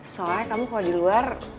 soalnya kamu kalau di luar